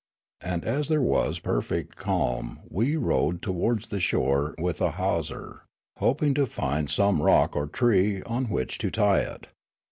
And as there was perfect calm we rowed towards the shore with a hawser, hoping to find some rock or tree on which to tie it.